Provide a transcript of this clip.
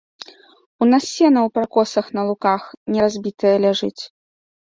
У нас сена ў пракосах на луках не разбітае ляжыць.